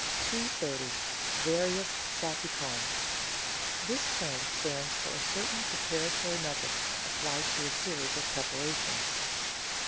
230— VARIOUS SALPICONS This term stands for a certain preparatory method applied to a series of preparations.